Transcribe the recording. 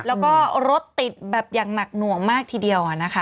แล้วก็รถติดแบบอย่างหนักหน่วงมากทีเดียวนะคะ